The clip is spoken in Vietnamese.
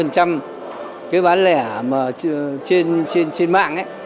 cái bán lẻ trên mạng